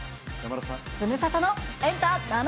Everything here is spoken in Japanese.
ズムサタのエンタ７３４。